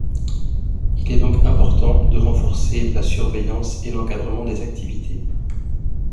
Il est donc important de renforcer la surveillance et l'encadrement des activités.